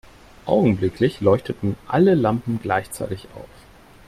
Augenblicklich leuchteten alle Lampen gleichzeitig auf.